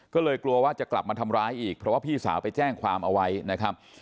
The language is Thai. ก็เลยกลัวว่าจะกลับมาทำร้ายอีกเพราะว่าพี่สาวไปแจ้งความเอาไว้นะครับ